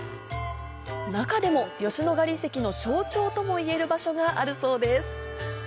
中でも吉野ヶ里遺跡の象徴ともいえる場所があるそうです